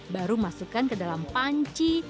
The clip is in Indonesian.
baru masukkan ke dalam panci